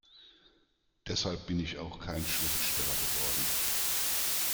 Deshalb bin ich auch kein Schriftsteller geworden.